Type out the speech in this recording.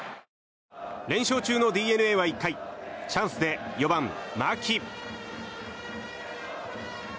連勝中のＤｅＮＡは１回チャンスで４番、牧。